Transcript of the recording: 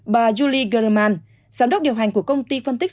bà julie gereman giám đốc điều hành của công ty phân tích